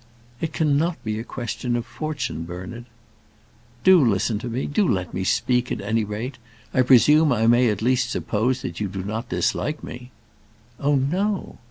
"It cannot be a question of fortune, Bernard." "Do listen to me. Do let me speak, at any rate. I presume I may at least suppose that you do not dislike me." "Oh, no."